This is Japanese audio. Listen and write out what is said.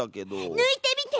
ぬいてみて！